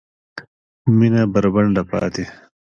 مېنه بربنډه پاته